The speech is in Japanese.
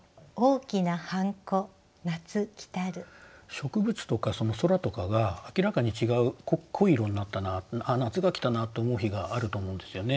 植物とか空とかが明らかに違う濃い色になったな夏が来たなと思う日があると思うんですよね。